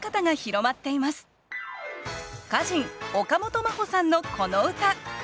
歌人岡本真帆さんのこの歌。